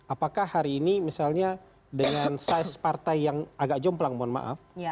apakah hari ini misalnya dengan size partai yang agak jomplang mohon maaf